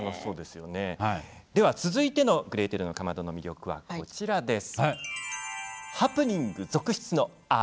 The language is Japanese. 続いての「グレーテルのかまど」の魅力はこちらです。